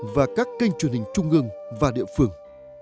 và các kênh truyền hình trung ương và địa phương